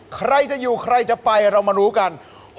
ใครจะอยู่ใครจะไปเรามารู้กัน